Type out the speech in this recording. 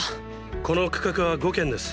この区画は５軒です。